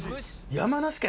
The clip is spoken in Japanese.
山梨県？